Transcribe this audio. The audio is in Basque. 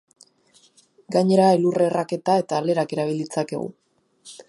Gainera elur-erraketa eta lerak erabil ditzakegu.